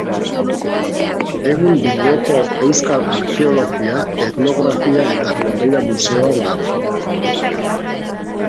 Egun Bilboko Euskal Arkeologia, Etnografia eta Kondaira Museoan dago.